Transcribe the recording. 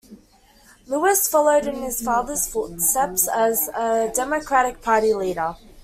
Lewis followed in his father's footsteps as a Democratic Party leader.